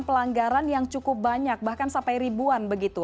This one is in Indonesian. pelanggaran yang cukup banyak bahkan sampai ribuan begitu